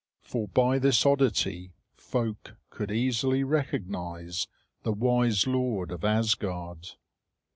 For by this oddity folk could easily recognise the wise lord of Asgard.